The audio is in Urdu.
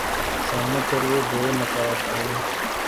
سامنے پھر وہ بے نقاب آئے